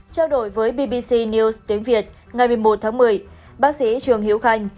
trao đổi với bbc news tiếng việt ngày một mươi một tháng một mươi bác sĩ trương hiếu khanh